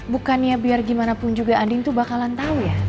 bukannya biar gimana pun juga andin tuh bakalan tahu ya